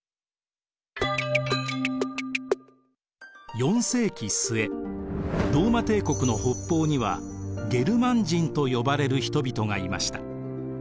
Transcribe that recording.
４世紀末ローマ帝国の北方にはゲルマン人と呼ばれる人々がいました。